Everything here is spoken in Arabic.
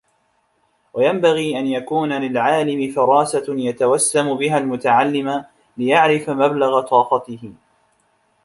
وَيَنْبَغِي أَنْ يَكُونَ لِلْعَالِمِ فِرَاسَةٌ يَتَوَسَّمُ بِهَا الْمُتَعَلِّمَ لِيَعْرِفَ مَبْلَغَ طَاقَتِهِ